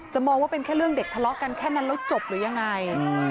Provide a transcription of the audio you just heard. มองว่าเป็นแค่เรื่องเด็กทะเลาะกันแค่นั้นแล้วจบหรือยังไง